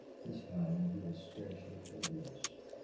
This time he was scarcely courteous.